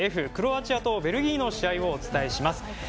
クロアチアとベルギーの試合をお伝えします。